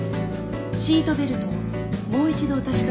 シートベルトをもう一度お確かめください。